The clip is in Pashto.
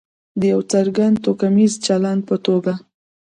د یو څرګند توکمیز چلند په توګه.